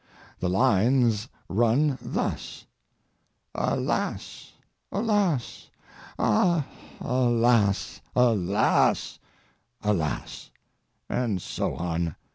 The lines run thus: "Alas! alas! a alas! Alas! alas!" —and so on.